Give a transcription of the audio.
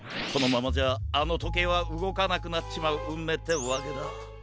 このままじゃあのとけいはうごかなくなっちまううんめいってわけだ。